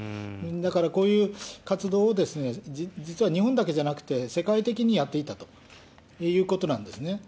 だからこういう活動を実は日本だけじゃなくて、世界的にやっていたということなんですね。